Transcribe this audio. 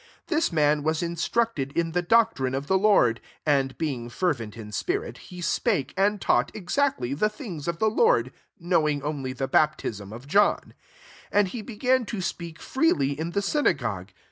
2o This man was in structed in the doctrine of die Lord: and, being fervent in spirit, he spake and taugkt exactly the things of the Lord, knowing only the baptism of John : 26 and he began to speak freely in the synagogue.